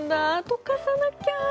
溶かさなきゃ。